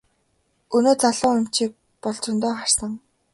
Өнөө залуу эмчийг бол зөндөө харсан.